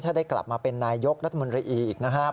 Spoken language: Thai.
ถ้าได้กลับมาเป็นนายยกรัฐมนตรีอีกนะครับ